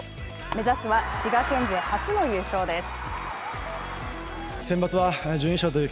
目指すは滋賀県勢初の優勝です。